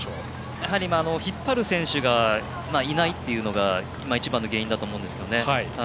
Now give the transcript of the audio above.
やはり、引っ張る選手がいないというのが今、一番の原因だと思います。